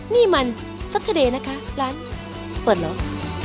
นี่มันสักทีแน่นะคะร้านเปิดแล้ว